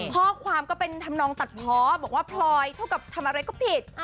พ่อความก็เป็นทำนองตัดพ้อบอกว่าพลอยทำอะไรก็ผิด